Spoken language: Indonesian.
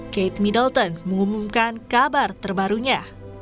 kate middleton mengumumkan kabar terbarunya